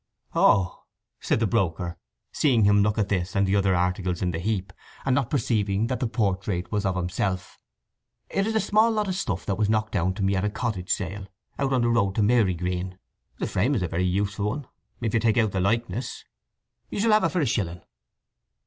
"Oh," said the broker, seeing him look at this and the other articles in the heap, and not perceiving that the portrait was of himself, "It is a small lot of stuff that was knocked down to me at a cottage sale out on the road to Marygreen. The frame is a very useful one, if you take out the likeness. You shall have it for a shilling."